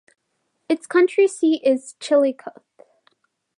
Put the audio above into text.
Its county seat is Chillicothe.